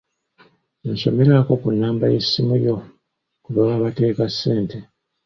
Nsomerako ku nnamba y'essimu yo kwe baba bateeka ssente.